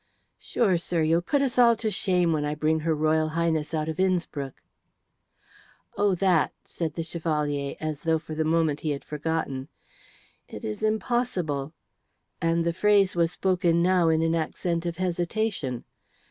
"Sure, sir, you'll put us all to shame when I bring her Royal Highness out of Innspruck." "Oh, that!" said the Chevalier, as though for the moment he had forgotten. "It is impossible," and the phrase was spoken now in an accent of hesitation.